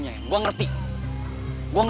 ya yang terakhir nanti